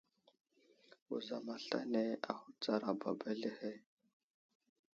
Wuzam aslane ahutsar baba azlehe.